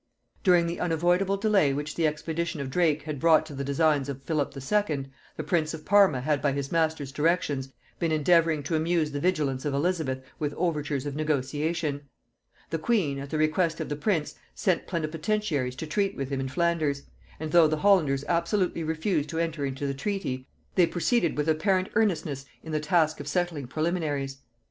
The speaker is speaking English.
During the unavoidable delay which the expedition of Drake had brought to the designs of Philip II., the prince of Parma had by his master's directions been endeavouring to amuse the vigilance of Elizabeth with overtures of negotiation. The queen, at the request of the prince, sent plenipotentiaries to treat with him in Flanders; and though the Hollanders absolutely refused to enter into the treaty, they proceeded with apparent earnestness in the task of settling preliminaries.